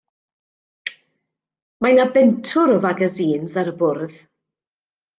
Mae 'na bentwr o fagasîns ar y bwrdd.